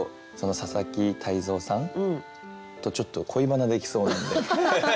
佐々木泰三さんとちょっと恋バナできそうなんで。